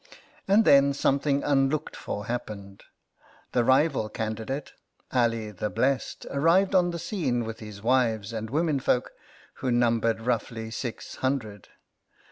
And then something unlooked for happened. The rival candidate, Ali the Blest, arrived on the scene with his wives and womenfolk, who numbered, roughly, six hundred.